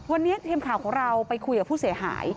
วันนี้ทีมข่าวของเราไปคุยกับผู้เสียหาย